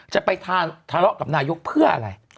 จะไปทะเลาะกับนายกเพื่ออะไร